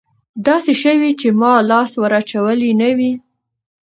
داسې شوي چې ما لاس ور اچولى نه وي.